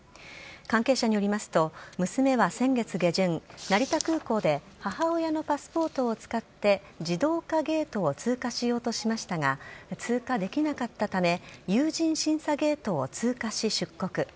関係者によりますと娘は先月下旬成田空港で母親のパスポートを使って自動化ゲートを通過しようとしましたが通過できなかったため有人審査ゲートを通過し、出国。